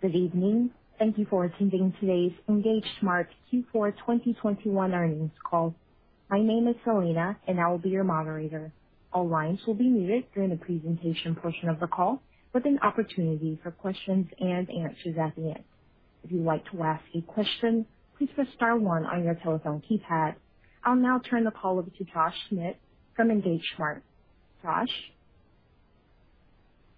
Good evening. Thank you for attending today's EngageSmart Q4 2021 earnings call. My name is Selena, and I will be your moderator. All lines will be muted during the presentation portion of the call, with an opportunity for questions and answers at the end. If you'd like to ask a question, please press star one on your telephone keypad. I'll now turn the call over to Josh Schmidt from EngageSmart. Josh?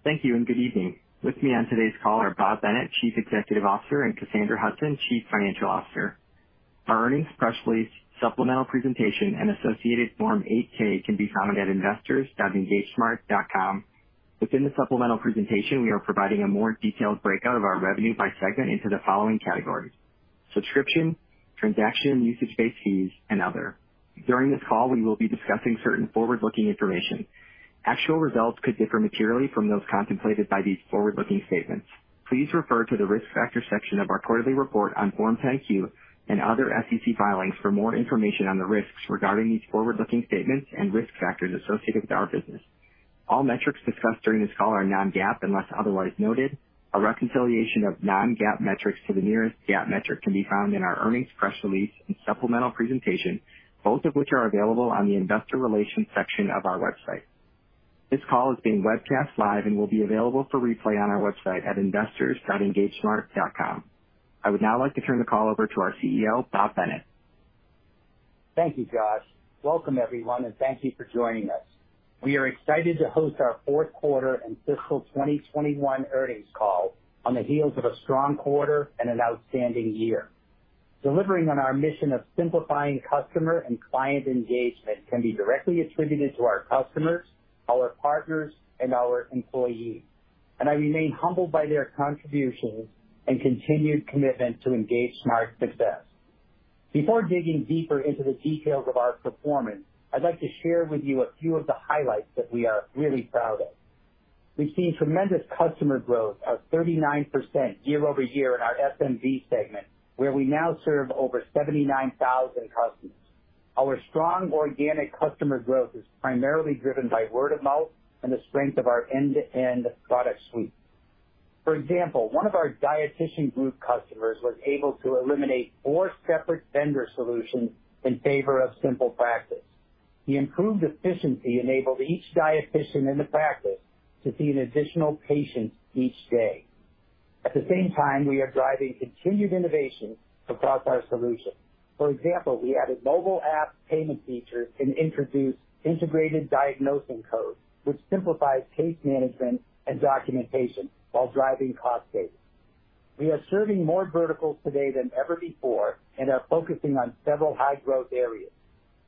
Thank you and good evening. With me on today's call are Bob Bennett, Chief Executive Officer, and Cassandra Hudson, Chief Financial Officer. Our earnings press release, supplemental presentation, and associated Form 8-K can be found at investors.engagesmart.com. Within the supplemental presentation, we are providing a more detailed breakout of our revenue by segment into the following categories, Subscription, Transaction and Usage-based Fees, and other. During this call, we will be discussing certain forward-looking information. Actual results could differ materially from those contemplated by these forward-looking statements. Please refer to the Risk Factors section of our quarterly report on Form 10-Q and other SEC filings for more information on the risks regarding these forward-looking statements and risk factors associated with our business. All metrics discussed during this call are non-GAAP unless otherwise noted. A reconciliation of non-GAAP metrics to the nearest GAAP metric can be found in our earnings press release and supplemental presentation, both of which are available on the Investor Relations section of our website. This call is being webcast live and will be available for replay on our website at investors.engagesmart.com. I would now like to turn the call over to our CEO, Bob Bennett. Thank you, Josh. Welcome, everyone, and thank you for joining us. We are excited to host our fourth quarter and fiscal 2021 earnings call on the heels of a strong quarter and an outstanding year. Delivering on our mission of simplifying customer and client engagement can be directly attributed to our customers, our partners, and our employees, and I remain humbled by their contributions and continued commitment to EngageSmart's success. Before digging deeper into the details of our performance, I'd like to share with you a few of the highlights that we are really proud of. We've seen tremendous customer growth of 39% year-over-year in our SMB segment, where we now serve over 79,000 customers. Our strong organic customer growth is primarily driven by word of mouth and the strength of our end-to-end product suite. For example, one of our dietitian group customers was able to eliminate four separate vendor solutions in favor of SimplePractice. The improved efficiency enabled each dietitian in the practice to see an additional patient each day. At the same time, we are driving continued innovation across our solutions. For example, we added mobile app payment features and introduced integrated diagnostic codes, which simplifies case management and documentation while driving cost savings. We are serving more verticals today than ever before and are focusing on several high-growth areas.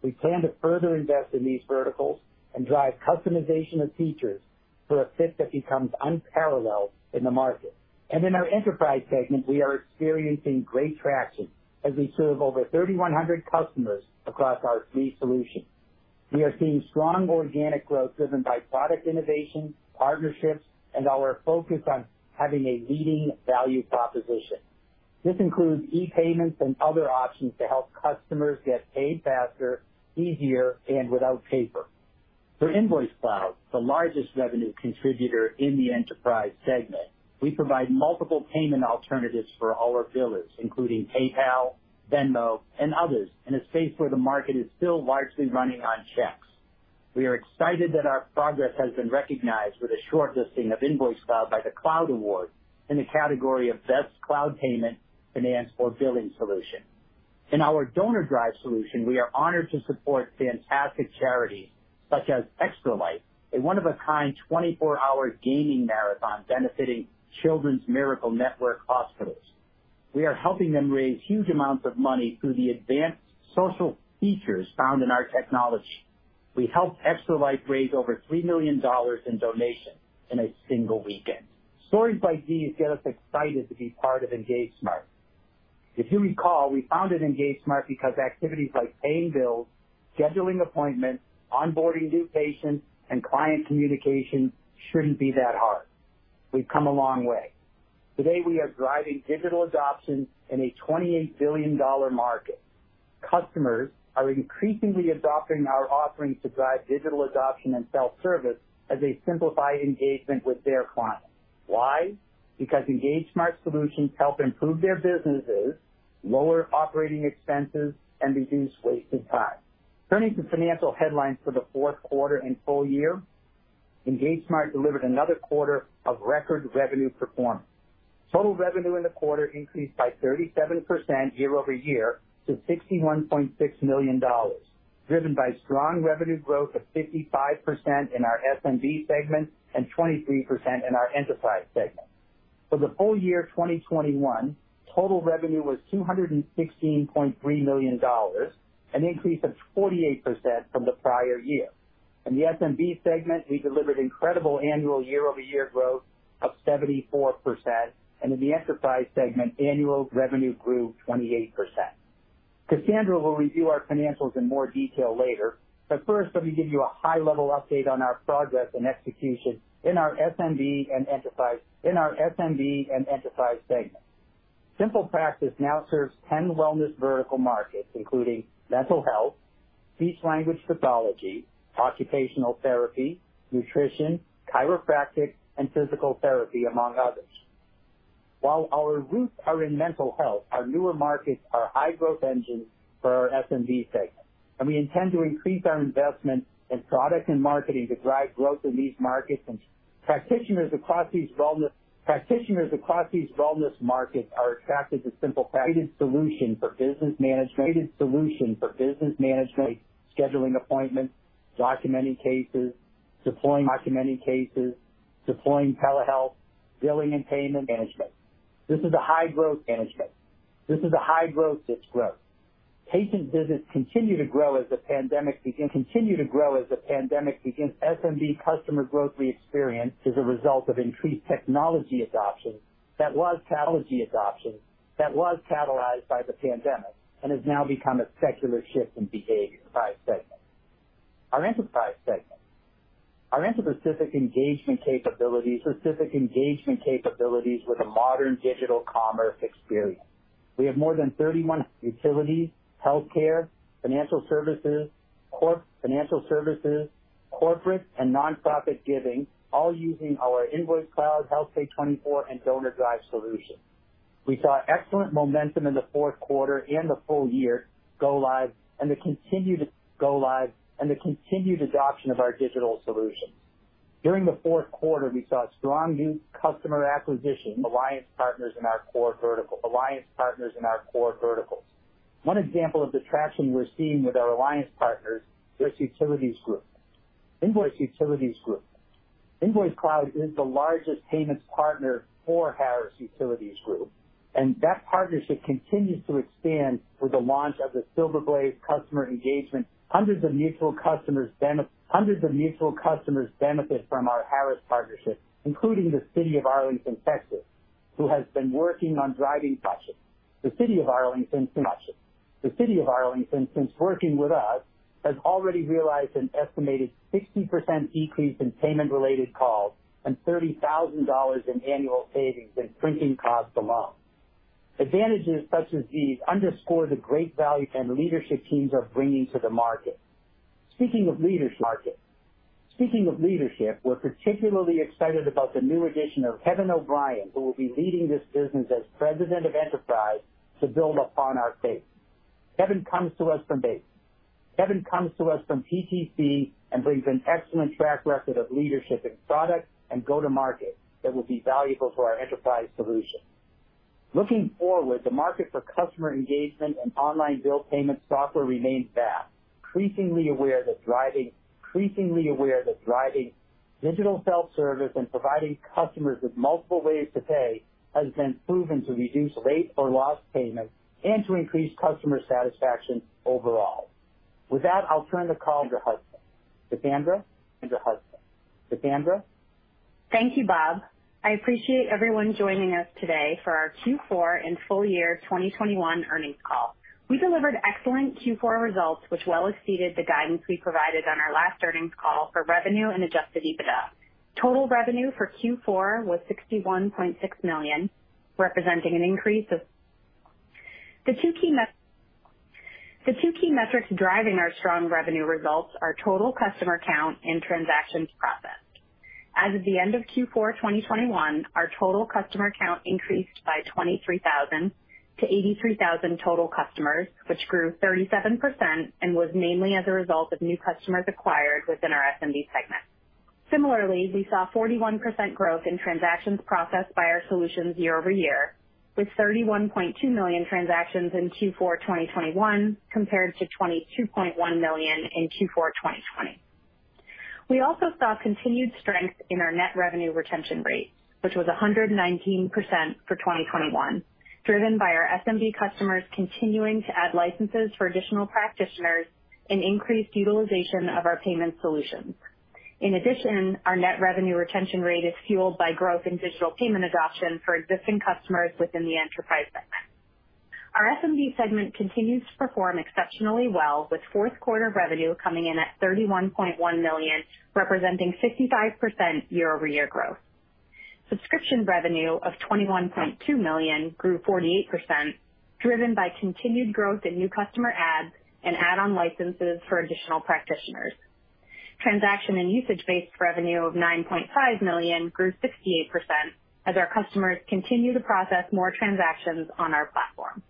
We plan to further invest in these verticals and drive customization of features for a fit that becomes unparalleled in the market. In our enterprise segment, we are experiencing great traction as we serve over 3,100 customers across our three solutions. We are seeing strong organic growth driven by product innovation, partnerships, and our focus on having a leading value proposition. This includes e-payments and other options to help customers get paid faster, easier, and without paper. For InvoiceCloud, the largest revenue contributor in the enterprise segment, we provide multiple payment alternatives for all our billers, including PayPal, Venmo, and others, in a space where the market is still largely running on checks. We are excited that our progress has been recognized with a shortlisting of InvoiceCloud by the Cloud Awards in the category of Best Cloud Payment, Finance or Billing Solution. In our DonorDrive solution, we are honored to support fantastic charities such as Extra Life, a one-of-a-kind 24-hour gaming marathon benefiting Children's Miracle Network Hospitals. We are helping them raise huge amounts of money through the advanced social features found in our technology. We helped Extra Life raise over $3 million in donations in a single weekend. Stories like these get us excited to be part of EngageSmart. If you recall, we founded EngageSmart because activities like paying bills, scheduling appointments, onboarding new patients, and client communication shouldn't be that hard. We've come a long way. Today, we are driving digital adoption in a $28 billion market. Customers are increasingly adopting our offerings to drive digital adoption and self-service as they simplify engagement with their clients. Why? Because EngageSmart solutions help improve their businesses, lower operating expenses, and reduce wasted time. Turning to financial highlights for the fourth quarter and full-year, EngageSmart delivered another quarter of record revenue performance. Total revenue in the quarter increased by 37% year-over-year to $61.6 million, driven by strong revenue growth of 55% in our SMB segment and 23% in our enterprise segment. For the full-year 2021, total revenue was $216.3 million, an increase of 48% from the prior-year. In the SMB segment, we delivered incredible annual year-over-year growth of 74%, and in the enterprise segment, annual revenue grew 28%. Cassandra will review our financials in more detail later, but first, let me give you a high-level update on our progress and execution in our SMB and enterprise, in our SMB and enterprise segments. SimplePractice now serves 10 wellness vertical markets, including mental health, Speech-Language Pathology, Occupational Therapy, Nutrition, Chiropractic, and Physical Therapy, among others. While our roots are in mental health, our newer markets are high growth engines for our SMB segment, and we intend to increase our investment in product and marketing to drive growth in these markets. Practitioners across these wellness markets are attracted to SimplePractice's solution for business management, scheduling appointments, documenting cases, deploying telehealth, billing and payment management. This is a high-growth management. This is a high-growth that's growth. Patient visits continue to grow as the pandemic begins. SMB customer growth we experience is a result of increased technology adoption that was catalyzed by the pandemic and has now become a secular shift in behavior. Enterprise segment. Our enterprise specific engagement capabilities with a modern digital commerce experience. We have more than 31 utilities, healthcare, financial services, corporate and nonprofit giving, all using our InvoiceCloud, HealthPay24, and DonorDrive solutions. We saw excellent momentum in the fourth quarter and the full-year go live, and the continued go live and the continued adoption of our digital solutions. During the fourth quarter, we saw strong new customer acquisition, alliance partners in our core verticals. One example of the traction we're seeing with our alliance partners is Harris Utilities Group. InvoiceCloud is the largest payments partner for Harris Utilities Group, and that partnership continues to expand with the launch of the SilverBlaze customer engagement. Hundreds of mutual customers benefit from our Harris partnership, including the City of Arlington, Texas, who has been working on driving budgets. The City of Arlington, since working with us, has already realized an estimated 60% decrease in payment-related calls and $30,000 in annual savings in printing costs alone. Advantages such as these underscore the great value our leadership teams are bringing to the market. Speaking of leadership, we're particularly excited about the new addition of Kevin O'Brien, who will be leading this business as President of Enterprise Solutions to build upon our base. Kevin comes to us from PTC and brings an excellent track record of leadership in product and go-to-market that will be valuable for our enterprise solutions. Looking forward, the market for customer engagement and online bill payment software remains vast. Increasingly aware that driving digital self-service and providing customers with multiple ways to pay has been proven to reduce late or lost payments and to increase customer satisfaction overall. With that, I'll turn the call to Cassandra Hudson. Thank you, Bob. I appreciate everyone joining us today for our Q4 and full-year 2021 earnings call. We delivered excellent Q4 results, which well exceeded the guidance we provided on our last earnings call for revenue and Adjusted EBITDA. Total revenue for Q4 was $61.6 million, representing an increase of—the two key metrics driving our strong revenue results are total customer count and transactions processed. As of the end of Q4 2021, our total customer count increased by 23,000 to 83,000 total customers, which grew 37% and was mainly as a result of new customers acquired within our SMB segment. Similarly, we saw 41% growth in transactions processed by our solutions year-over-year, with 31.2 million transactions in Q4 2021 compared to 22.1 million in Q4 2020. We also saw continued strength in our Net Revenue Retention rate, which was 119% for 2021, driven by our SMB customers continuing to add licenses for additional practitioners and increased utilization of our payment solutions. In addition, our Net Revenue Retention rate is fueled by growth in digital payment adoption for existing customers within the enterprise segment. Our SMB segment continues to perform exceptionally well, with fourth quarter revenue coming in at $31.1 million, representing 65% year-over-year growth. Subscription revenue of $21.2 million grew 48%, driven by continued growth in new customer adds and add-on licenses for additional practitioners. Transaction and usage-based revenue of $9.5 million grew 68% as our customers continue to process more transactions on our platform.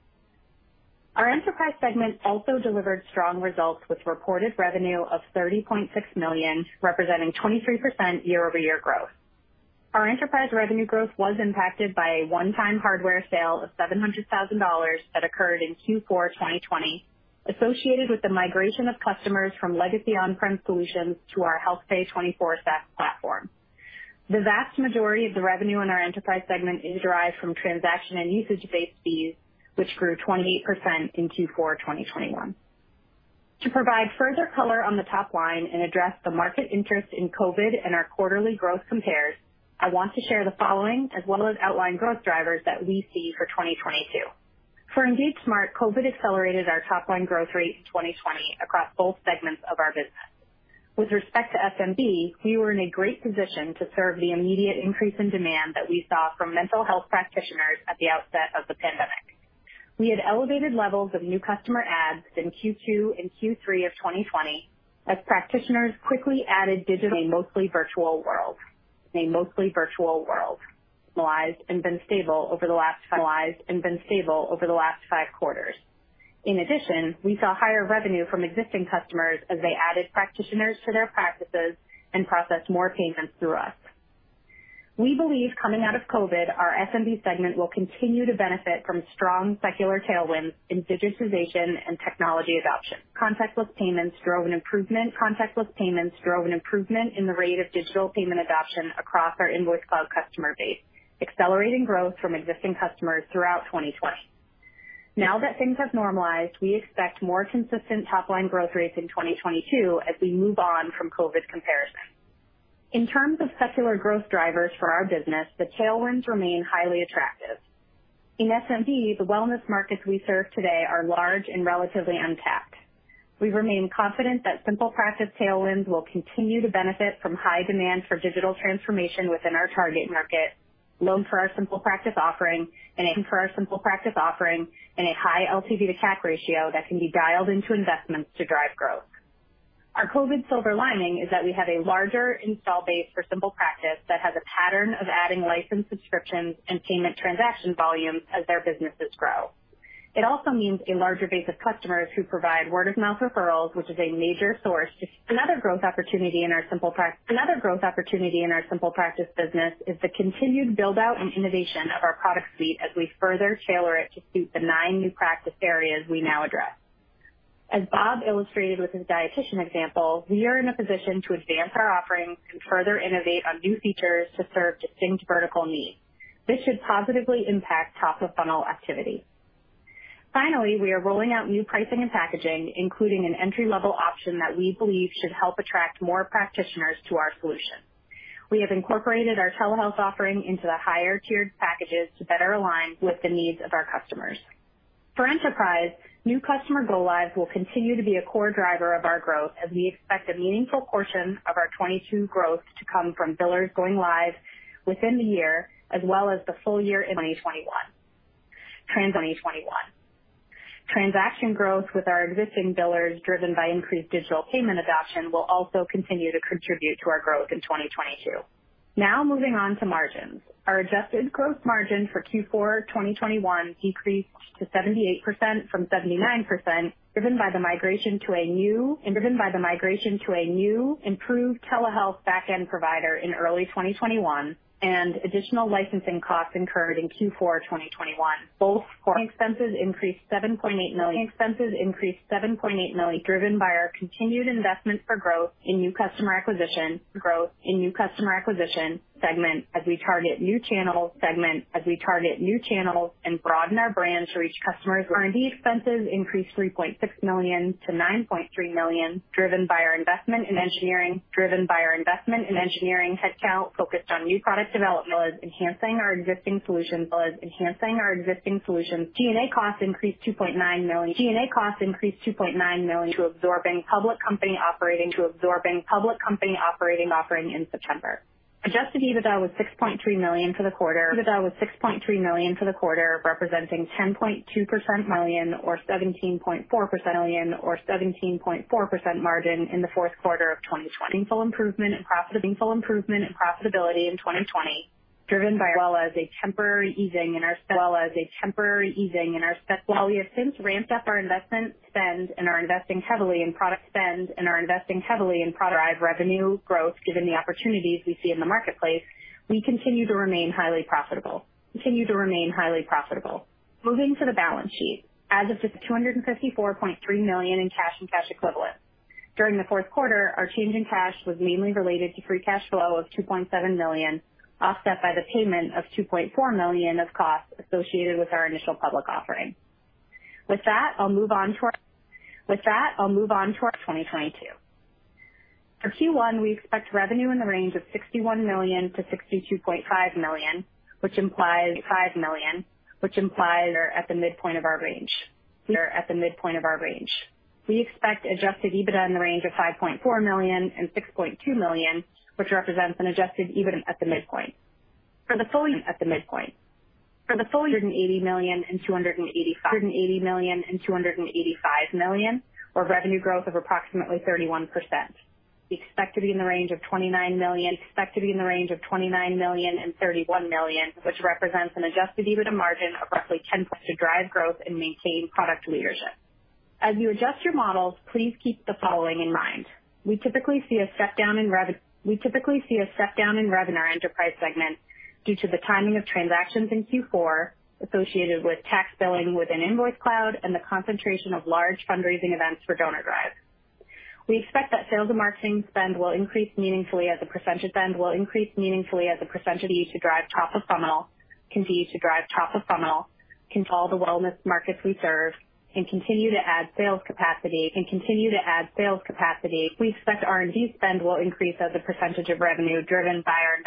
Our enterprise segment also delivered strong results, with reported revenue of $30.6 million, representing 23% year-over-year growth. Our enterprise revenue growth was impacted by a one-time hardware sale of $700,000 that occurred in Q4 2020, associated with the migration of customers from legacy on-prem solutions to our HealthPay24 SaaS platform. The vast majority of the revenue in our enterprise segment is derived from transaction and usage-based fees, which grew 28% in Q4 2021. To provide further color on the top line and address the market interest in COVID and our quarterly growth compares, I want to share the following as well as outline growth drivers that we see for 2022. For EngageSmart, COVID accelerated our top line growth rate in 2020 across both segments of our business. With respect to SMB, we were in a great position to serve the immediate increase in demand that we saw from mental health practitioners at the outset of the pandemic. We had elevated levels of new customer adds in Q2 and Q3 of 2020 as practitioners quickly added digital in a mostly virtual world. They have been stable over the last five quarters. In addition, we saw higher revenue from existing customers as they added practitioners to their practices and processed more payments through us. We believe coming out of COVID, our SMB segment will continue to benefit from strong secular tailwinds in digitization and technology adoption. Contactless payments drove an improvement in the rate of digital payment adoption across our InvoiceCloud customer base, accelerating growth from existing customers throughout 2020. Now that things have normalized, we expect more consistent top line growth rates in 2022 as we move on from COVID comparisons. In terms of secular growth drivers for our business, the tailwinds remain highly attractive. In SMB, the wellness markets we serve today are large and relatively untapped. We remain confident that SimplePractice tailwinds will continue to benefit from high demand for digital transformation within our target market, low churn for our SimplePractice offering, and a high LTV to CAC ratio that can be dialed into investments to drive growth. Our COVID silver lining is that we have a larger install base for SimplePractice that has a pattern of adding license subscriptions and payment transaction volumes as their businesses grow. It also means a larger base of customers who provide word of mouth referrals, which is a major source. Another growth opportunity in our SimplePractice business is the continued build out and innovation of our product suite as we further tailor it to suit the nine new practice areas we now address. As Bob illustrated with his dietitian example, we are in a position to advance our offerings and further innovate on new features to serve distinct vertical needs. This should positively impact top-of-funnel activity. Finally, we are rolling out new pricing and packaging, including an entry-level option that we believe should help attract more practitioners to our solution. We have incorporated our telehealth offering into the higher tiered packages to better align with the needs of our customers. For enterprise, new customer go lives will continue to be a core driver of our growth as we expect a meaningful portion of our 2022 growth to come from billers going live within the year as well as the full-year in 2021. Transaction growth with our existing billers driven by increased digital payment adoption will also continue to contribute to our growth in 2022. Now moving on to margins. Our adjusted gross margin for Q4 2021 decreased to 78% from 79%, driven by the migration to a new improved telehealth back-end provider in early 2021 and additional licensing costs incurred in Q4 2021. Selling expenses increased $7.8 million, driven by our continued investment for growth in new customer acquisition segment as we target new channels and broaden our brand to reach customers. R&D expenses increased $3.6 million to $9.3 million, driven by our investment in engineering headcount focused on new product development as well as enhancing our existing solutions. G&A costs increased $2.9 million, absorbing public company operating offering in September. Adjusted EBITDA was $6.3 million for the quarter, representing 10.2% or 17.4% margin in the fourth quarter of 2020. Meaningful improvement in profitability in 2020, driven by, as well as a temporary easing in our spending levels due to COVID. While we have since ramped up our investment spend and are investing heavily in product to drive revenue growth. Given the opportunities we see in the marketplace, we continue to remain highly profitable. Moving to the balance sheet. As of December, $254.3 million in cash and cash equivalents. During the fourth quarter, our change in cash was mainly related to free cash flow of $2.7 million, offset by the payment of $2.4 million of costs associated with our initial public offering. With that, I'll move on to our outlook of 2022. For Q1, we expect revenue in the range of $61 million to $62.5 million, which implies $5 million, which implies we are at the midpoint of our range. We expect Adjusted EBITDA in the range of $5.4 million to $6.2 million, which represents an Adjusted EBITDA at the midpoint. For the full-year $280 million and $285 million, or revenue growth of approximately 31%. We expect to be in the range of $29 million and $31 million, which represents an Adjusted EBITDA margin of roughly 10.6% as we continue to invest to drive growth and maintain product leadership. As you adjust your models, please keep the following in mind. We typically see a step down in revenue in our enterprise segment due to the timing of transactions in Q4 associated with tax billing within InvoiceCloud and the concentration of large fundraising events for DonorDrive. We expect that sales and marketing spend will increase meaningfully as a percentage to drive top-of-funnel, control the wellness markets we serve, and continue to add sales capacity. We expect R&D spend will increase as a percentage of revenue driven by our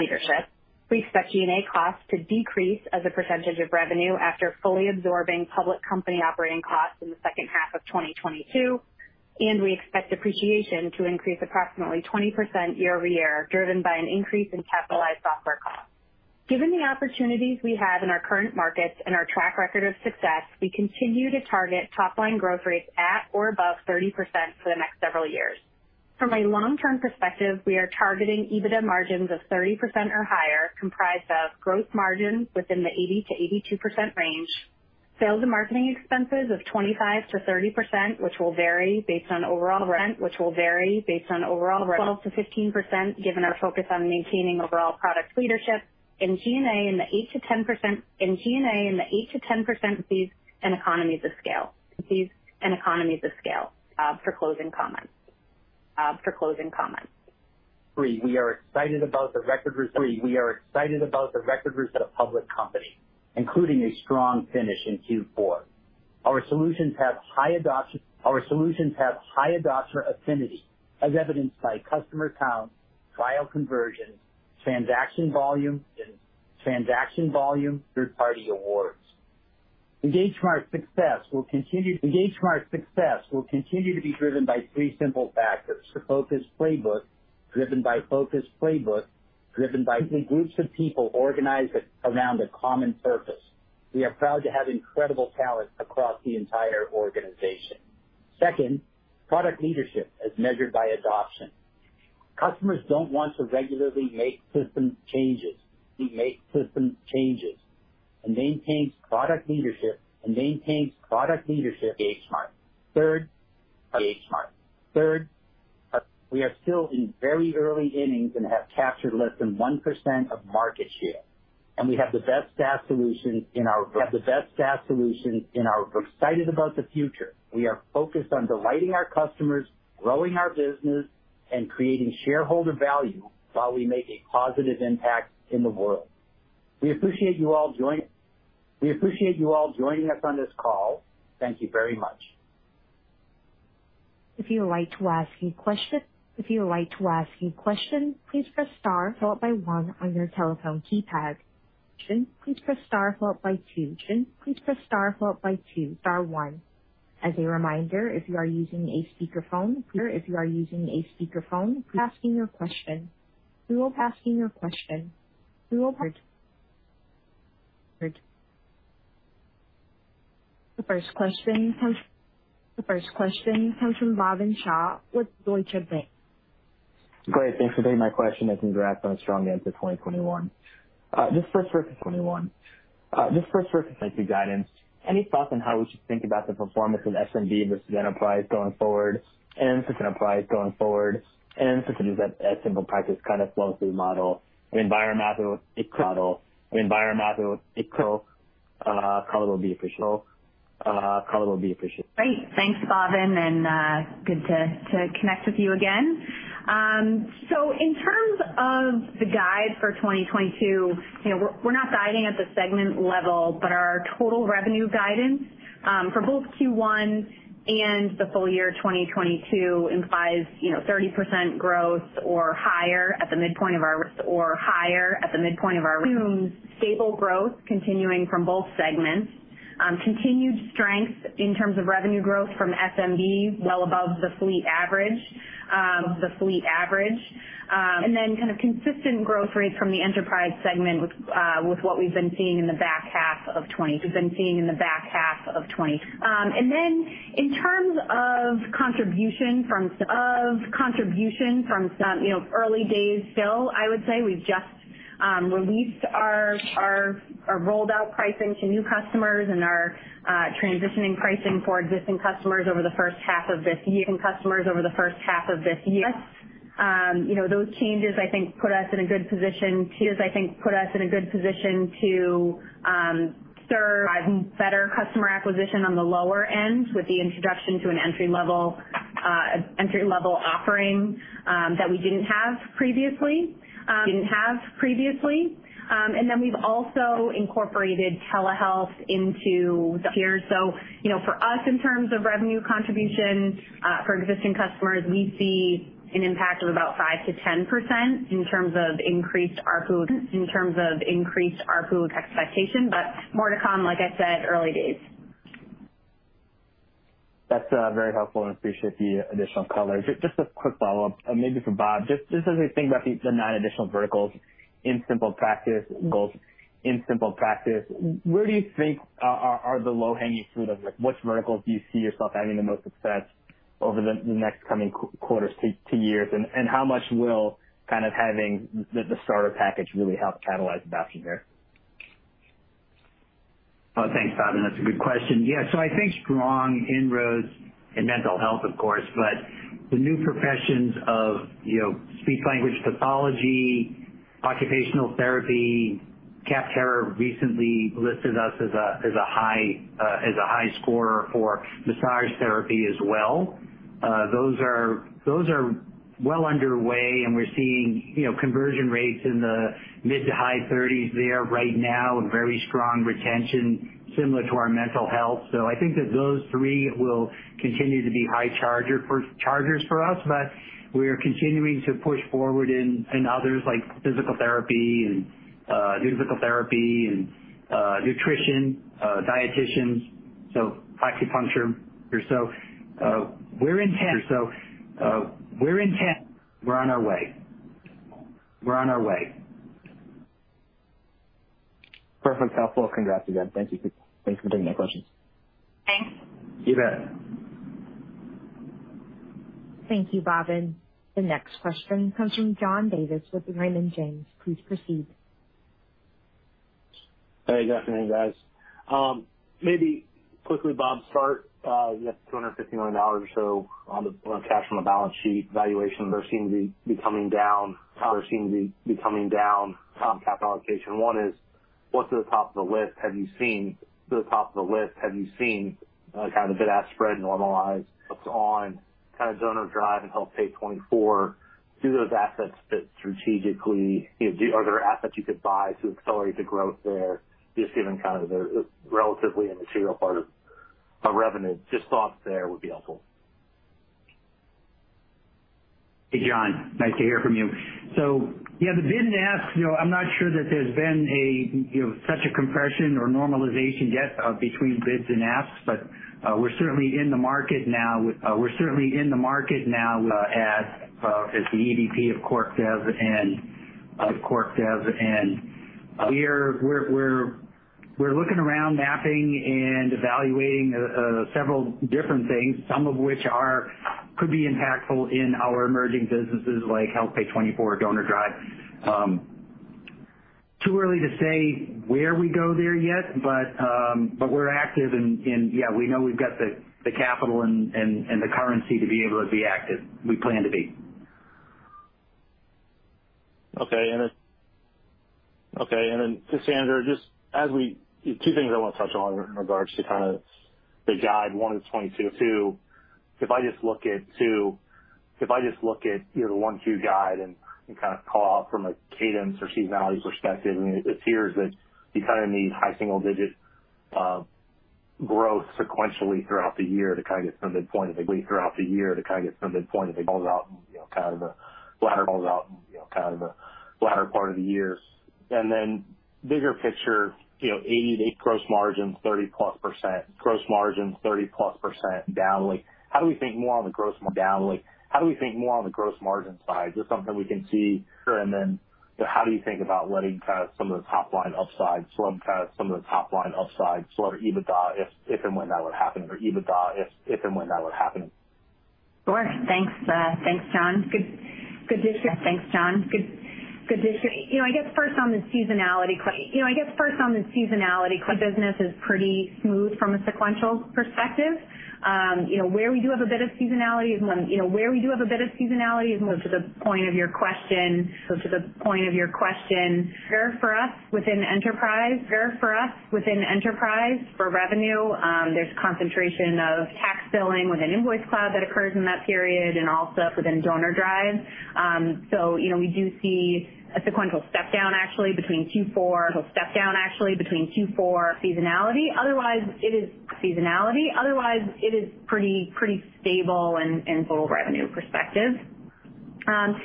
leadership. We expect G&A costs to decrease as a percentage of revenue after fully absorbing public company operating costs in the second half of 2022. We expect depreciation to increase approximately 20% year-over-year, driven by an increase in capitalized software costs. Given the opportunities we have in our current markets and our track record of success, we continue to target top line growth rates at or above 30% for the next several years. From a long-term perspective, we are targeting EBITDA margins of 30% or higher, comprised of gross margins within the 80% to 82% range, sales and marketing expenses of 25% to 30%, R&D of 12% to 15%, given our focus on maintaining overall product leadership, and G&A in the 8% to 10% fees and economies of scale. I'll now turn the call back over to Bob for closing comments. In summary, we are excited about the record results we delivered in our first year as a public company, including a strong finish in Q4. Our solutions have high adoption. Our solutions have high adoption affinity, as evidenced by customer counts, trial conversions, transaction volume, and third-party awards. EngageSmart's success will continue to be driven by three simple factors: customer-focused playbook driven by A players. The groups of people organized around a common purpose. We are proud to have incredible talent across the entire organization. Second, product leadership as measured by adoption. Customers don't want to regularly make system changes, and maintains product leadership. EngageSmart. Third, we are still in very early innings and have captured less than 1% of market share, and we have the best SaaS solution. We're excited about the future. We are focused on delighting our customers, growing our business, and creating shareholder value while we make a positive impact in the world. We appreciate you all joining us on this call. Thank you very much. If you like to ask your questions press the star follow by one on your telephone keypad. The first question comes from Bhavin Shah with Deutsche Bank. Great. Thanks for taking my question as we wrap up a strong end to 2021. Just for guidance, any thoughts on how we should think about the performance of SMB versus enterprise going forward, and since it is a SimplePractice kind of flow-through model, an enterprise model. Any color would be appreciated. Great. Thanks, Bhavin, and good to connect with you again. So in terms of the guidance for 2022, you know, we're not guiding at the segment level, but our total revenue guidance for both Q1 and the full-year 2022 implies, you know, 30% growth or higher at the midpoint of our. Assume stable growth continuing from both segments. Continued strength in terms of revenue growth from SMB, well above the fleet average. Then kind of consistent growth rates from the enterprise segment with what we've been seeing in the back half of 2021. In terms of contribution from, you know, early days still, I would say we've just released our rolled out pricing to new customers and are transitioning pricing for existing customers over the first half of this year. You know, those changes, I think, put us in a good position to serve better customer acquisition on the lower end with the introduction to an entry-level offering that we didn't have previously. We've also incorporated telehealth into here. You know, for us, in terms of revenue contribution, for existing customers, we see an impact of about 5%-10% in terms of increased ARPU, in terms of increased ARPU expectation, but more to come, like I said, early days. That's very helpful, and I appreciate the additional color. Just a quick follow-up, maybe for Bob. Just as we think about the nine additional verticals in SimplePractice, where do you think are the low-hanging fruit of which verticals do you see yourself having the most success over the next coming quarters to years? How much will kind of having the starter package really help catalyze adoption there? Oh, thanks, Bhavin. That's a good question. Yeah. I think strong inroads in mental health, of course, but the new professions of, you know, Speech-Language Pathology, Occupational Therapy. Capterra recently listed us as a high scorer for massage therapy as well. Those are well underway, and we're seeing, you know, conversion rates in the mid-30s% to high 30s% there right now, and very strong retention similar to our mental health. I think that those three will continue to be high chargers for us. We are continuing to push forward in others like physical therapy and nutrition, dietitians. Acupuncture or so. We're going to get them all. We're on our way. Perfect. Helpful. Congrats again. Thank you. Thanks for taking my questions. Thanks. You bet. Thank you, Bhavin. The next question comes from John Davis with Raymond James. Please proceed. Hey, good afternoon, guys. Maybe quickly, Bob, start, you have $250 million or so on cash on the balance sheet valuation. There seems to be coming down. Tom, capital allocation. One is what's at the top of the list? Have you seen the top of the list? Have you seen kind of bid-ask spread normalize? What's on kind of DonorDrive and HealthPay24? Do those assets fit strategically? Are there assets you could buy to accelerate the growth there, just given kind of the relatively immaterial part of revenue? Just thoughts there would be helpful. Hey, John. Nice to hear from you. Yeah, the bid and ask, you know, I'm not sure that there's been a such a compression or normalization yet between bids and asks, but we're certainly in the market now as the EVP of corp dev and we're looking around mapping and evaluating several different things, some of which could be impactful in our emerging businesses like HealthPay24, DonorDrive. Too early to say where we go there yet, but we're active and yeah, we know we've got the capital and the currency to be able to be active. We plan to be. Cassandra, two things I want to touch on in regards to kind of the guide, one is 2022. If I just look at 2022, you know, the 2021, 2022 guide and kind of call out from a cadence or seasonality perspective, I mean, it appears that you kind of need high single-digit growth sequentially throughout the year to kind of get to a good point. If it falls out in, you know, kind of the latter part of the year. Bigger picture, you know, 88% gross margins, 30+%. Gross margins 30+% down. Like, how do we think more on the gross margin down? Like, how do we think more on the gross margin side? Is this something we can see? Sure. How do you think about letting kind of some of the top line upside slow to EBITDA if and when that would happen? Sure. Thanks, John. You know, I guess first on the seasonality question, the business is pretty smooth from a sequential perspective. You know, where we do have a bit of seasonality is when, to the point of your question, sure. For us, within enterprise, for revenue, there's concentration of tax billing within InvoiceCloud that occurs in that period and also within DonorDrive. So, you know, we do see a sequential step down actually between Q4 seasonality. Otherwise it is pretty stable in total revenue perspective. On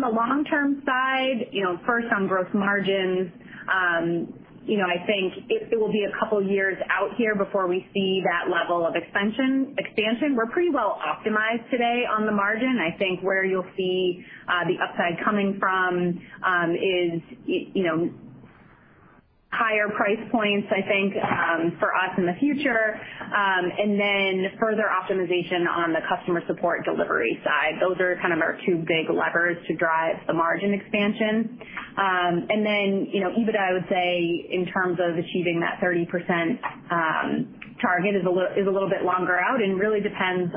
the long-term side, you know, first on gross margins, you know, I think it will be a couple years out here before we see that level of expansion. We're pretty well optimized today on the margin. I think where you'll see the upside coming from is you know, higher price points, I think, for us in the future. And then further optimization on the customer support delivery side. Those are kind of our two big levers to drive the margin expansion. And then, you know, EBITDA, I would say in terms of achieving that 30% target is a little bit longer out and really depends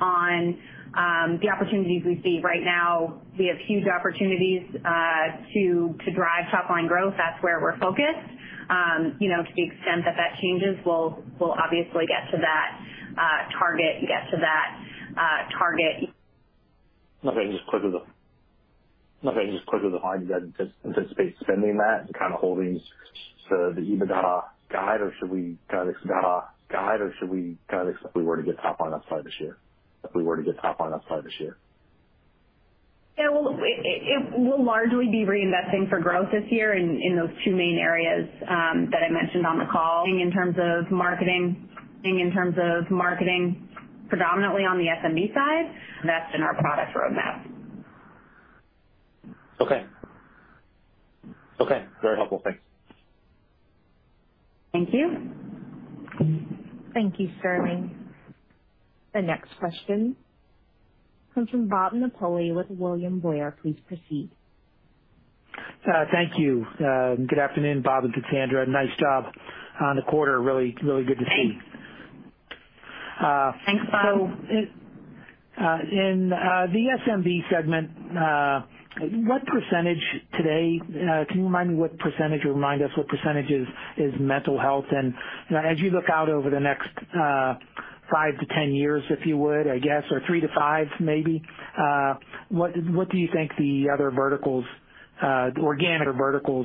on the opportunities we see. Right now, we have huge opportunities to drive top line growth. That's where we're focused. You know, to the extent that changes, we'll obviously get to that target. Okay. Just quickly though, how do you guys anticipate spending that and kind of holding to the EBITDA guide, or should we kind of if we were to get top line upside this year? Yeah. Well, it will largely be reinvesting for growth this year in those two main areas that I mentioned on the call. In terms of marketing predominantly on the SMB side, that's in our product roadmap. Okay. Very helpful. Thanks. Thank you. Thank you, Sterling. The next question comes from Bob Napoli with William Blair. Please proceed. Thank you. Good afternoon, Bob and Cassandra. Nice job on the quarter. Really good to see. Thanks, Bob. In the SMB segment, what percentage today can you remind me what percentage or remind us what percentage is mental health? And as you look out over the next five to 10 years, if you would, I guess, or three to five maybe, what do you think the other verticals organic what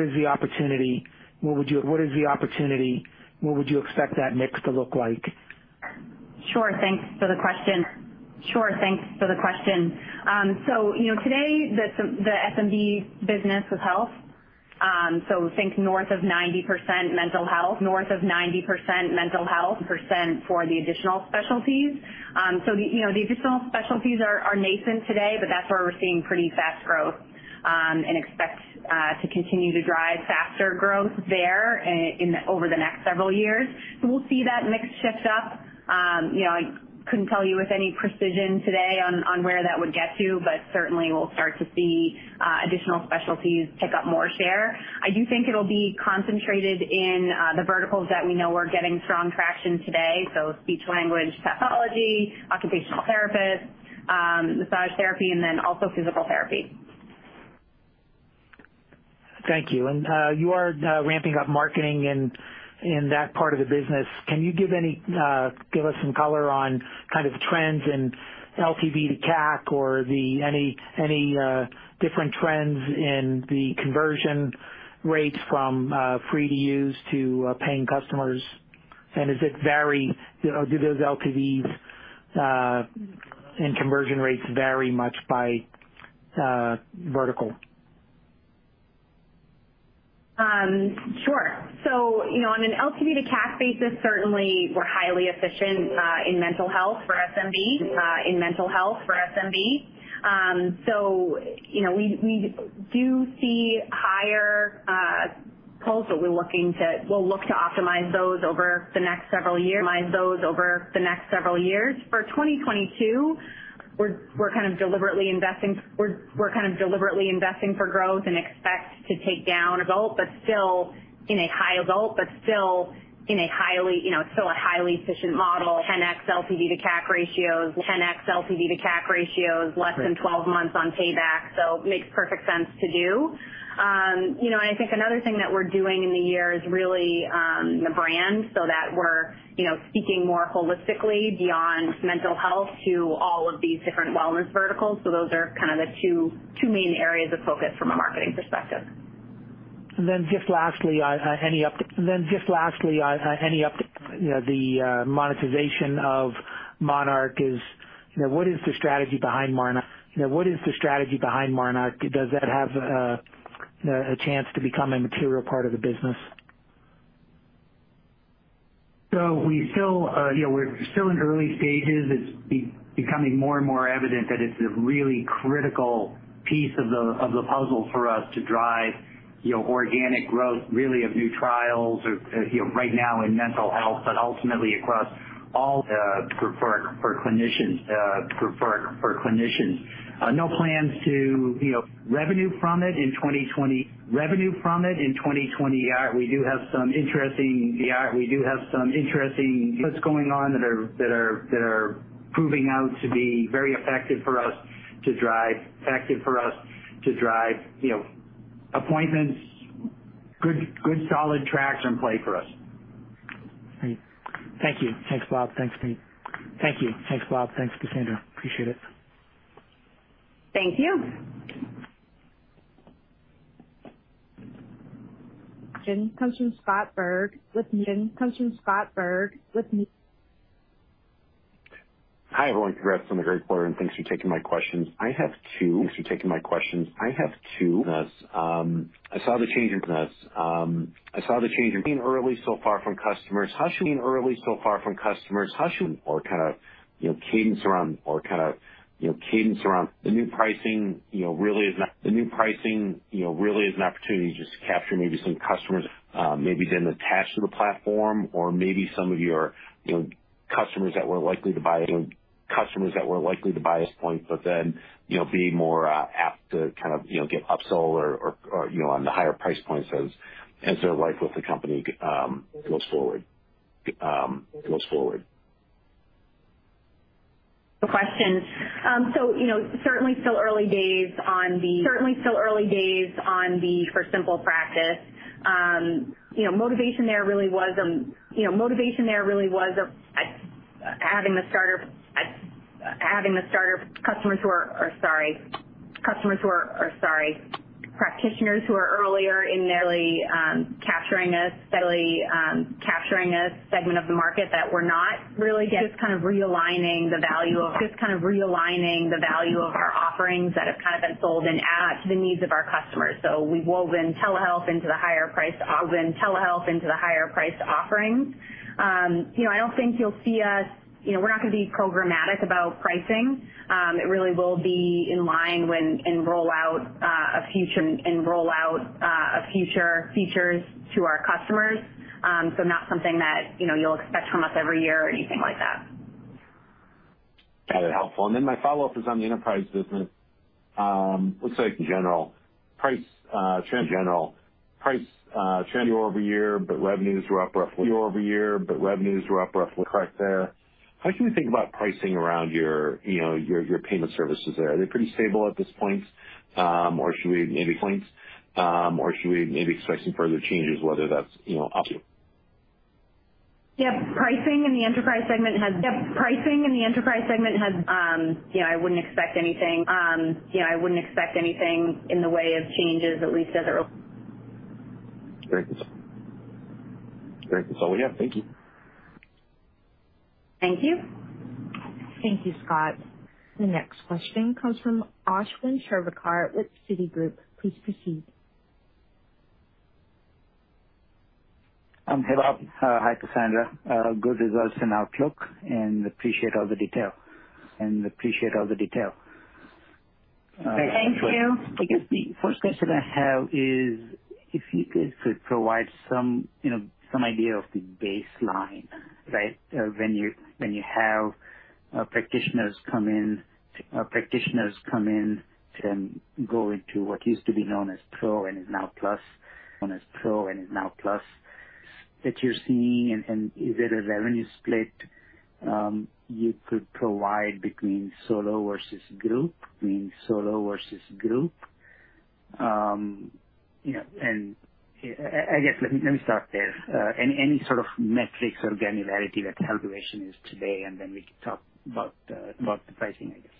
is the opportunity? What is the opportunity? What would you expect that mix to look like? Sure. Thanks for the question. You know, today the SMB business with health, so think north of 90% mental health, percent for the additional specialties. You know, the additional specialties are nascent today, but that's where we're seeing pretty fast growth, and expect to continue to drive faster growth there over the next several years. We'll see that mix shift up. You know, I couldn't tell you with any precision today on where that would get to, but certainly we'll start to see additional specialties take up more share. I do think it'll be concentrated in the verticals that we know are getting strong traction today. Speech-Language Pathology, Occupational Therapists, Massage Therapy, and then also Physical Therapy. Thank you. You are ramping up marketing in that part of the business. Can you give us some color on kind of trends in LTV to CAC or any different trends in the conversion rates from free to use to paying customers? Do those LTVs and conversion rates vary much by vertical? Sure. You know, on an LTV to CAC basis, certainly we're highly efficient in mental health for SMB. We do see higher polls that we're looking to. We'll look to optimize those over the next several years. For 2022, we're kind of deliberately investing for growth and expect to take down result, but still in a high result, but still in a highly efficient model. 10x LTV to CAC ratios, less than 12 months on payback, so makes perfect sense to do. You know, I think another thing that we're doing in the year is really the brand, so that we're, you know, speaking more holistically beyond mental health to all of these different wellness verticals. Those are kind of the two main areas of focus from a marketing perspective. Just lastly, any update on the monetization of Monarch? You know, what is the strategy behind Monarch? Does that have a chance to become a material part of the business? We still, you know, we're still in the early stages. It's becoming more and more evident that it's a really critical piece of the puzzle for us to drive, you know, organic growth really of new trials or, you know, right now in mental health, but ultimately across all for clinicians. No plans to revenue from it in 2020. We do have some interesting what's going on that are proving out to be very effective for us to drive appointments. Good solid traction play for us. Great. Thank you. Thanks, Bob. Thanks, Cassandra. Appreciate it. Thank you. The next question comes from Scott Berg with Needham and Company. Please proceed. Hi, everyone. Congrats on the great quarter, and thanks for taking my questions. I have two. I saw the change in ARPU so far from customers. How should ARPU so far from customers. Kinda, you know, cadence around the new pricing, you know, really is an opportunity just to capture maybe some customers maybe didn't attach to the platform or maybe some of your, you know, customers that were likely to buy at this point, but then, you know, be more apt to kind of, you know, get upsell or, you know, on the higher price points as their life with the company goes forward. Certainly still early days for SimplePractice. You know, motivation there really was at having the starter practitioners who are earlier and steadily capturing a segment of the market that we're not really getting. Just kind of realigning the value of our offerings that have kind of been sold and add to the needs of our customers. We've woven telehealth into the higher priced offerings. You know, I don't think you'll see us, you know, we're not gonna be programmatic about pricing. It really will be in line with our rollout of future features to our customers. Not something that, you know, you'll expect from us every year or anything like that. Got it. Helpful. My follow-up is on the enterprise business. Let's say general price year-over-year, but revenues were up roughly. Correct there. How can we think about pricing around your, you know, your payment services there? Are they pretty stable at this point? Or should we maybe expect some further changes whether that's, you know, up to. Yep. Pricing in the enterprise segment has. You know, I wouldn't expect anything in the way of changes at least as it relates— Great. That's all we have. Thank you. Thank you. Thank you, Scott. The next question comes from Ashwin Shirvaikar with Citigroup. Please proceed. Hello. Hi, Cassandra. Good results and outlook. I appreciate all the detail. Thank you. I guess the first question I have is if you guys could provide some, you know, some idea of the baseline, right? When you have practitioners come in and go into what used to be known as Pro and is now Plus that you're seeing. Is there a revenue split you could provide between solo versus group? You know, I guess let me start there. Any sort of metrics or granularity that calculation is today, and then we can talk about the pricing, I guess.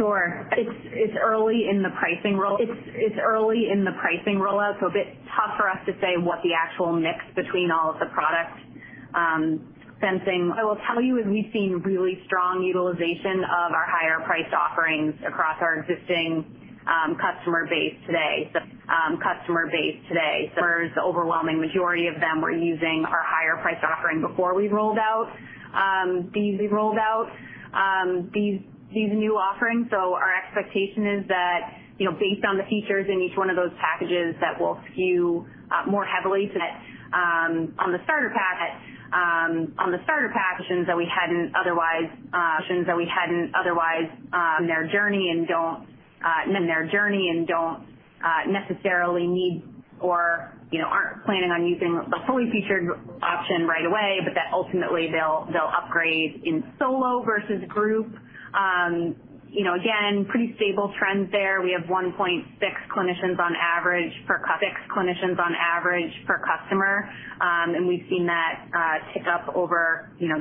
Sure. It's early in the pricing rollout, so a bit tough for us to say what the actual mix between all of the products since. What I will tell you is we've seen really strong utilization of our higher-priced offerings across our existing customer base today, where the overwhelming majority of them were using our higher-priced offering before we rolled out these new offerings. Our expectation is that, you know, based on the features in each one of those packages, that will skew more heavily to that on the starter pack options that we hadn't otherwise in their journey and don't necessarily need or, you know, aren't planning on using the fully featured option right away, but that ultimately they'll upgrade in solo versus group. You know, again, pretty stable trends there. We have 1.6 clinicians on average per customer. We've seen that tick up over, you know.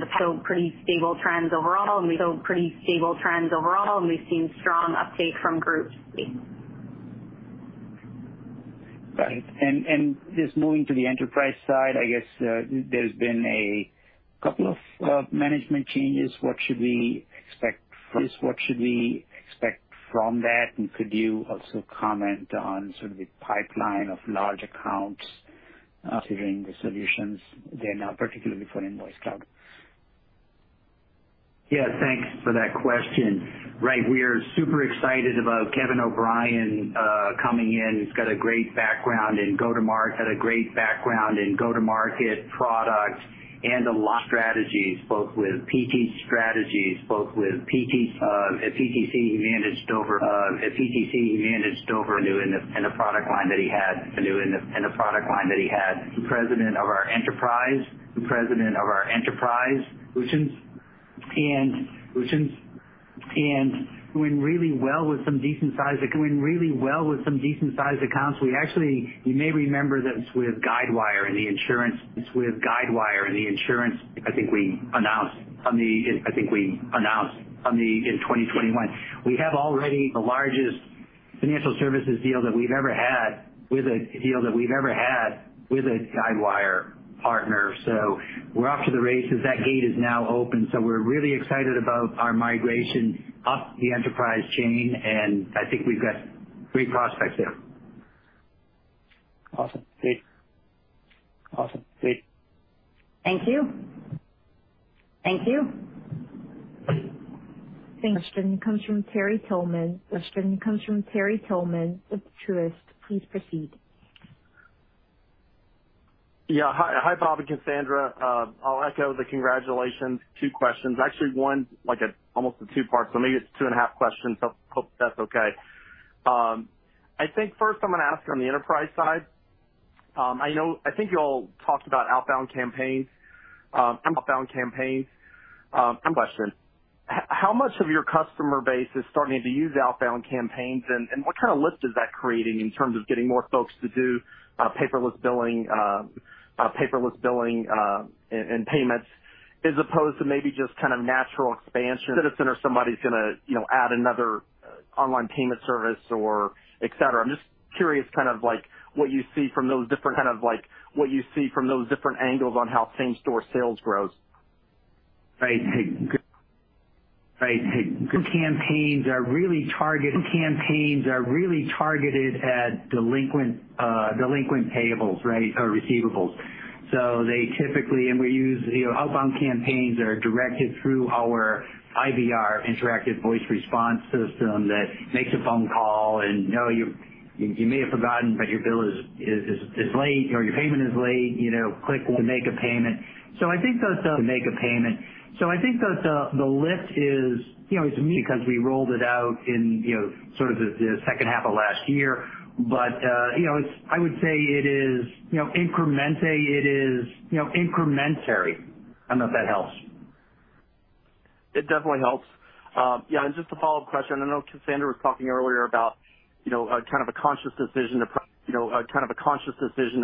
Pretty stable trends overall, and we've seen strong uptake from groups. Got it. Just moving to the enterprise side, I guess, there's been a couple of management changes. What should we expect from this? What should we expect from that? Could you also comment on sort of the pipeline of large accounts, considering the solutions there now, particularly for InvoiceCloud? Yeah. Thanks for that question. Right. We are super excited about Kevin O'Brien coming in. He's got a great background in go-to-market products and strategies, both with PTC at PTC. He managed over a new and existing product line that he had. The President of our Enterprise Solutions, doing really well with some decent-sized accounts. We actually, you may remember this with Guidewire and the insurance. I think we announced on the 8-K in 2021. We have already the largest financial services deal that we've ever had with a Guidewire partner. We're off to the races. That gate is now open. We're really excited about our migration up the enterprise chain, and I think we've got great prospects there. Awesome. Great. Thank you. Thank you. The next question comes from Terry Tillman with Truist. Please proceed. Yeah. Hi. Hi, Bob and Cassandra. I'll echo the congratulations. Two questions. Actually one, like almost a two-part, so maybe it's two and a half questions. Hope that's okay. I think first I'm gonna ask on the enterprise side. I know, I think y'all talked about outbound campaigns. Question. How much of your customer base is starting to use outbound campaigns, and what kind of lift is that creating in terms of getting more folks to do paperless billing and payments as opposed to maybe just kind of natural expansion, say, a customer or somebody's gonna, you know, add another online payment service or et cetera. I'm just curious kind of like what you see from those different angles on how same-store sales grows. Right. The campaigns are really targeted at delinquent payables, right, or receivables. They typically, and we use, you know, outbound campaigns are directed through our IVR, interactive voice response system, that makes a phone call and, "No, you may have forgotten, but your bill is late," or, "Your payment is late, you know, click to make a payment." I think that the lift is, you know, it's meaningful because we rolled it out in, you know, sort of the second half of last year. I would say it is, you know, incremental. I don't know if that helps. It definitely helps. Yeah, just a follow-up question. I know Cassandra was talking earlier about, you know, a kind of a conscious decision to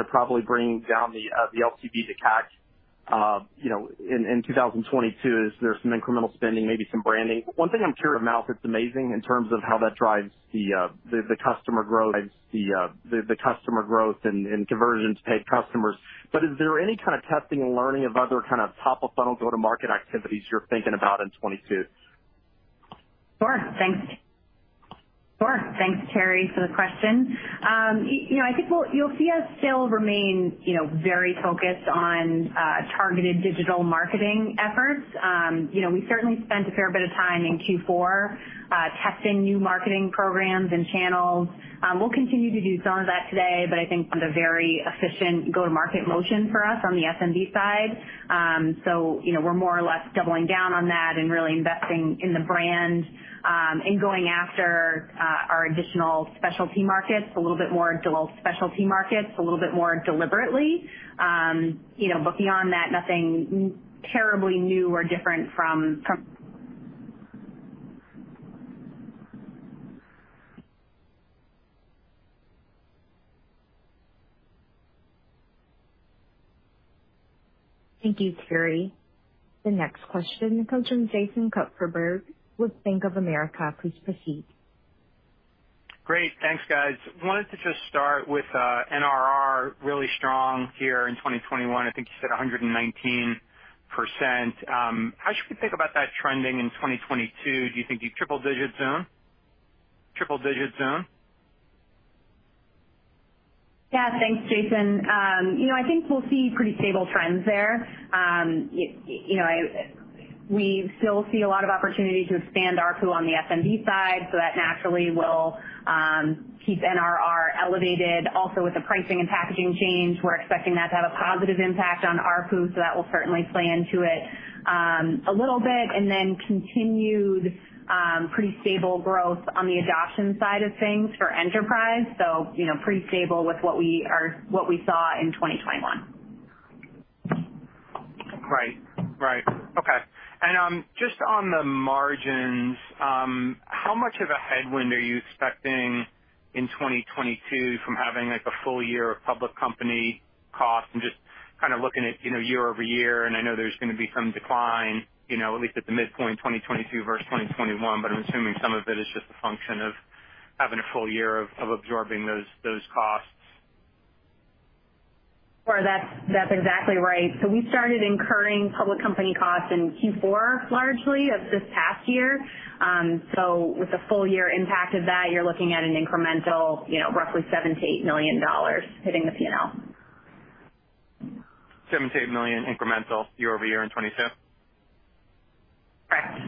probably bring down the LTV to CAC. You know, in 2022, is there some incremental spending, maybe some branding? One thing I'm sure of, moat is amazing in terms of how that drives the customer growth and conversion to paid customers. But is there any kind of testing and learning of other kind of top-of-funnel go-to-market activities you're thinking about in 2022? Thanks, Terry, for the question. You know, I think you'll see us still remain very focused on targeted digital marketing efforts. You know, we certainly spent a fair bit of time in Q4 testing new marketing programs and channels. We'll continue to do some of that today, but I think it's a very efficient go-to-market motion for us on the SMB side. You know, we're more or less doubling down on that and really investing in the brand and going after our additional specialty markets a little bit more deliberately. You know, but beyond that, nothing terribly new or different from. Thank you, Terry. The next question comes from Jason Kupferberg with Bank of America. Please proceed. Great. Thanks, guys. I wanted to just start with NRR really strong here in 2021. I think you said 119%. How should we think about that trending in 2022? Do you think triple digits zone? Yeah. Thanks, Jason. You know, I think we'll see pretty stable trends there. You know we still see a lot of opportunity to expand ARPU on the SMB side, so that naturally will keep NRR elevated. Also, with the pricing and packaging change, we're expecting that to have a positive impact on ARPU, so that will certainly play into it, a little bit. Continued pretty stable growth on the adoption side of things for enterprise. You know, pretty stable with what we saw in 2021. Right. Okay. Just on the margins, how much of a headwind are you expecting in 2022 from having, like, a full-year of public company costs? I'm just kind of looking at, you know, year-over-year, and I know there's gonna be some decline, you know, at least at the midpoint, 2022 versus 2021, but I'm assuming some of it is just a function of having a full-year of absorbing those costs. Sure. That's exactly right. We started incurring public company costs in Q4, largely of this past year. With the full-year impact of that, you're looking at an incremental, you know, roughly $7 million-$8 million hitting the P&L. $7 million to $8 million incremental year-over-year in 2022? Correct.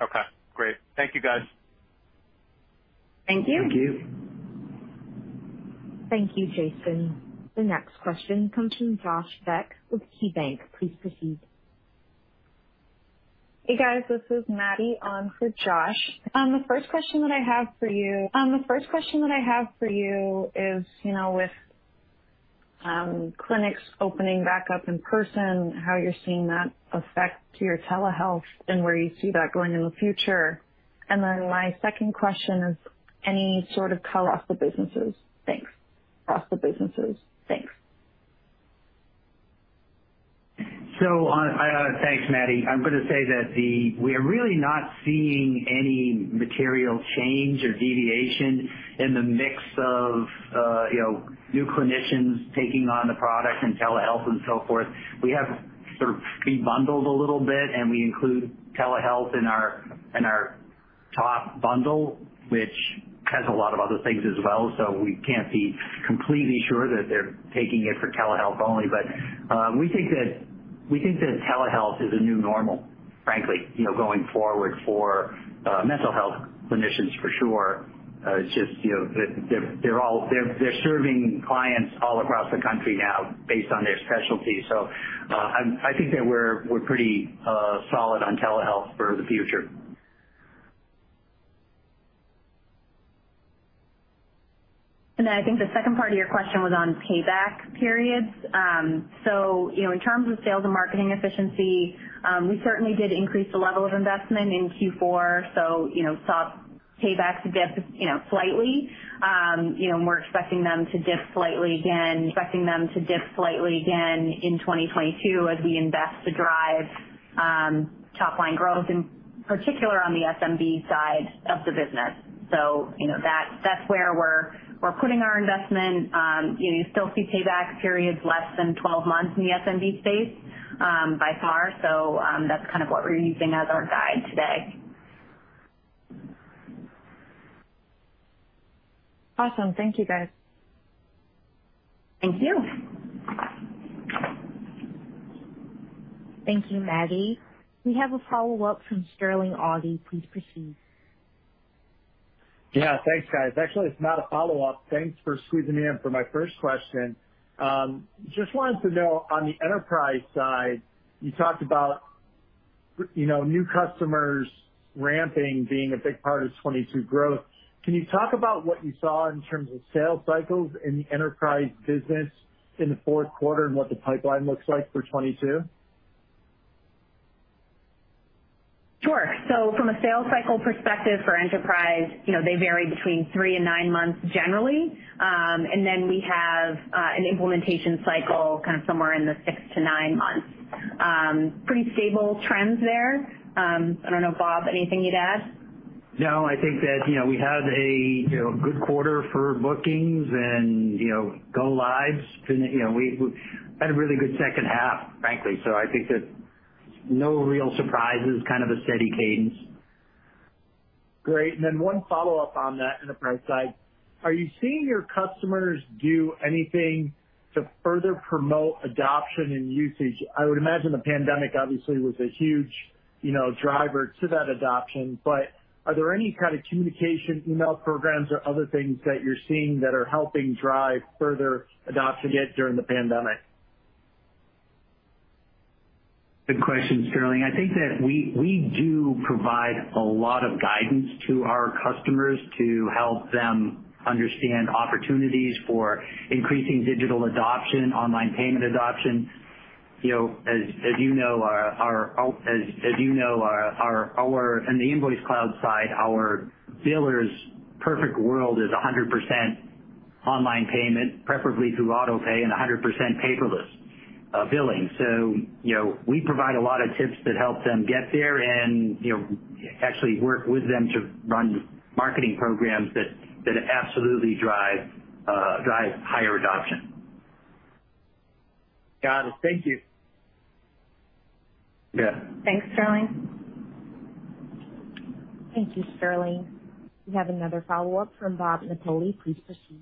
Okay, great. Thank you, guys. Thank you. Thank you. Thank you, Jason. The next question comes from Josh Beck with KeyBanc. Please proceed. Hey, guys. This is Maddie on for Josh. The first question that I have for you is, you know, with clinics opening back up in person, how you're seeing that affect your telehealth and where you see that going in the future. My second question is any sort of color on the businesses. Thanks. Thanks, Maddie. I'm gonna say that we're really not seeing any material change or deviation in the mix of, you know, new clinicians taking on the product and telehealth and so forth. We have sort of fee bundled a little bit, and we include telehealth in our top bundle, which has a lot of other things as well, so we can't be completely sure that they're taking it for telehealth only. But we think that telehealth is a new normal, frankly, you know, going forward for mental health clinicians, for sure. It's just, you know, they're all serving clients all across the country now based on their specialty. I think that we're pretty solid on telehealth for the future. I think the second part of your question was on payback periods. You know, in terms of sales and marketing efficiency, we certainly did increase the level of investment in Q4. You know, saw paybacks dip, you know, slightly. You know, we're expecting them to dip slightly again in 2022 as we invest to drive top line growth in particular on the SMB side of the business. You know, that's where we're putting our investment. You know, you still see payback periods less than 12 months in the SMB space, by far. That's kind of what we're using as our guide today. Awesome. Thank you, guys. Thank you. Thank you, Maddie. We have a follow-up from Sterling Auty. Please proceed. Yeah. Thanks, guys. Actually, it's not a follow-up. Thanks for squeezing me in for my first question. Just wanted to know, on the enterprise side, you talked about, you know, new customers ramping being a big part of 2022 growth. Can you talk about what you saw in terms of sales cycles in the enterprise business in the fourth quarter and what the pipeline looks like for 2022? From a sales cycle perspective for enterprise, you know, they vary between three to nine months generally. We have an implementation cycle kind of somewhere in the six to nine months. Pretty stable trends there. I don't know, Bob, anything you'd add? No, I think that, you know, we had a, you know, good quarter for bookings and, you know, go lives. You know, we've had a really good second half, frankly. I think that no real surprises, kind of a steady cadence. Great. One follow-up on that enterprise side, are you seeing your customers do anything to further promote adoption and usage? I would imagine the pandemic obviously was a huge, you know, driver to that adoption. Are there any kind of communication email programs or other things that you're seeing that are helping drive further adoption yet during the pandemic? Good question, Sterling. I think that we do provide a lot of guidance to our customers to help them understand opportunities for increasing digital adoption, online payment adoption. You know, as you know, in the InvoiceCloud side, our biller's perfect world is 100% online payment, preferably through auto pay and 100% paperless billing. You know, we provide a lot of tips that help them get there and, you know, actually work with them to run marketing programs that absolutely drive higher adoption. Got it. Thank you. Yeah. Thanks, Sterling. Thank you, Sterling. We have another follow-up from Bob Napoli. Please proceed.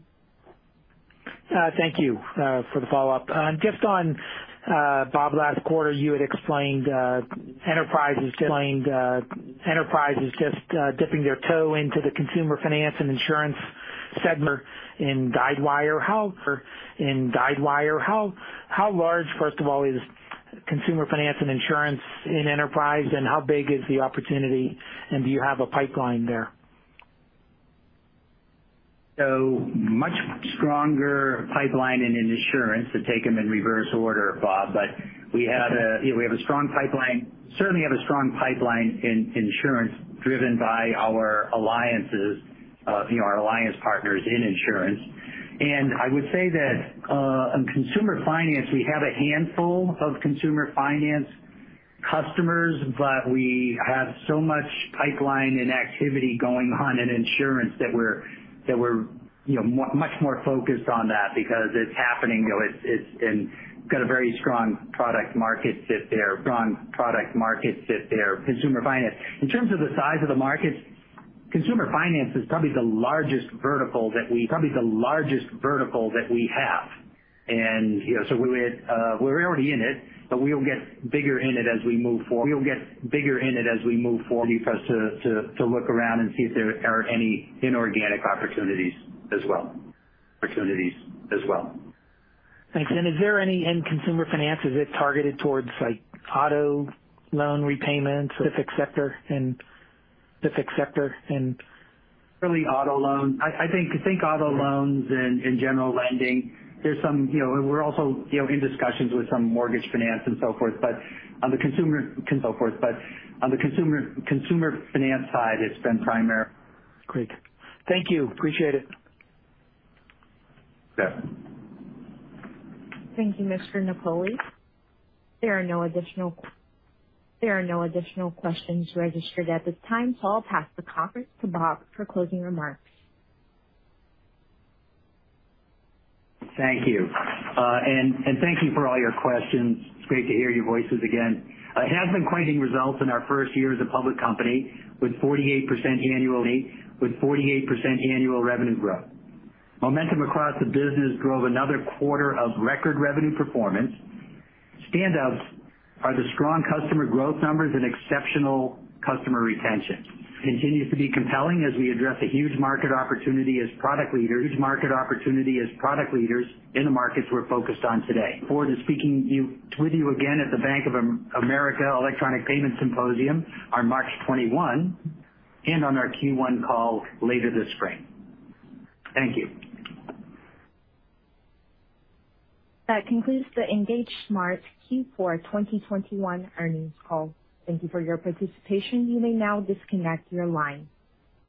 Thank you for the follow-up. Just on Bob, last quarter, you had explained enterprise is just dipping their toe into the consumer finance and insurance segment in Guidewire. How large, first of all, is consumer finance and insurance in Enterprise, and how big is the opportunity, and do you have a pipeline there? Much stronger pipeline and in insurance to take them in reverse order, Bob. We have a strong pipeline in insurance driven by our alliances, you know, our alliance partners in insurance. I would say that on consumer finance, we have a handful of consumer finance customers, but we have so much pipeline and activity going on in insurance that we're much more focused on that because it's happening. You know, it's got a very strong product market fit there. Strong product market fit there, consumer finance. In terms of the size of the markets, consumer finance is probably the largest vertical that we have. You know, so we're already in it, but we'll get bigger in it as we move forward. We'll get bigger in it as we move forward for us to look around and see if there are any inorganic opportunities as well. Thanks. Is there any end consumer finance? Is it targeted towards like auto loan repayments, specific sector and- Really auto loans. I think auto loans and general lending. There's some, you know—we're also, you know, in discussions with some mortgage finance and so forth, but on the consumer finance side, it's been primary. Great. Thank you. Appreciate it. Yeah. Thank you, Mr. Napoli. There are no additional questions registered at this time, so I'll pass the conference to Bob for closing remarks. Thank you. Thank you for all your questions. It's great to hear your voices again. It has been quite a year in our first year as a public company with 48% annual revenue growth. Momentum across the business drove another quarter of record revenue performance. Standouts are the strong customer growth numbers and exceptional customer retention continues to be compelling as we address a huge market opportunity as product leaders in the markets we're focused on today. Looking forward to speaking with you again at the Bank of America Electronic Payments Symposium on March 21 and on our Q1 call later this spring. Thank you. That concludes the EngageSmart Q4 2021 earnings call. Thank you for your participation. You may now disconnect your line.